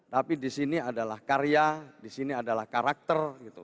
tapi di sini adalah karya di sini adalah karakter gitu